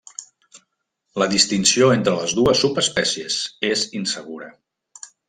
La distinció entre les dues subespècies és insegura.